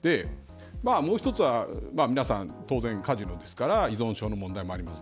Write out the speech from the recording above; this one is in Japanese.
もう一つは皆さん当然カジノですから依存症の問題もあります。